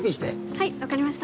はい分かりました。